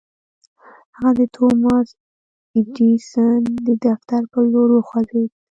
هغه د توماس اې ايډېسن د دفتر پر لور وخوځېد.